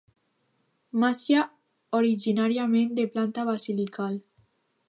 Masia originàriament de planta basilical.